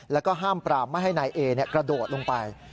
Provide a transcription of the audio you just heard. แล้วก็ห้ามปรามไม่ให้นายเอกระโดดลงไป